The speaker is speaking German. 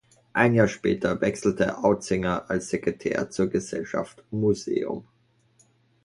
Ein Jahr später wechselte Auzinger als Sekretär zur Gesellschaft "Museum".